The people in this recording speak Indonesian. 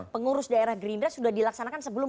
pengurus daerah gerindra sudah dilaksanakan sebelum